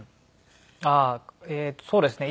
ああそうですね。